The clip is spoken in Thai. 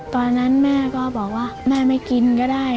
ตอนนั้นแม่ก็บอกว่าแม่ไม่กินก็ได้